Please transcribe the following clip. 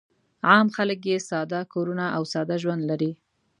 عام خلک یې ساده کورونه او ساده ژوند لري.